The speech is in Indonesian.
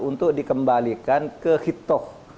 untuk dikembalikan ke hitoh